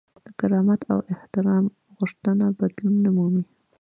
د کرامت او احترام غوښتنه بدلون نه مومي.